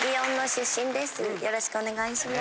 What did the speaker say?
よろしくお願いします。